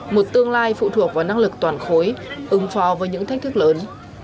một tương lai phụ thuộc vào năng lực toàn khối ứng phò với những thách thức lớn